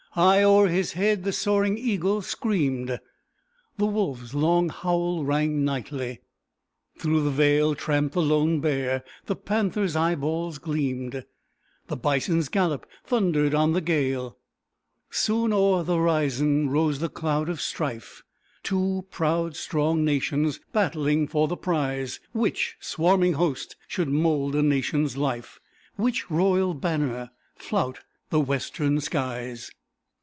High o'er his head the soaring eagle screamed; The wolfs long howl rang nightly; through the vale Tramped the lone bear; the panther's eyeballs gleamed; The bison's gallop thundered on the gale. Soon o'er the horizon rose the cloud of strife, Two proud, strong nations battling for the prize: Which swarming host should mould a nation's life; Which royal banner flout the western skies.